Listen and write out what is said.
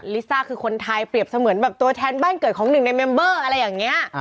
ลิซ่าคือคนไทยเปรียบเสมือนแบบตัวแทนบ้านเกิดของหนึ่งในเมมเบอร์อะไรอย่างนี้